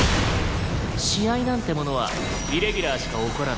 試合なんてものはイレギュラーしか起こらない。